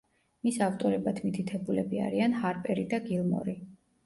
მის ავტორებად მითითებულები არიან ჰარპერი და გილმორი.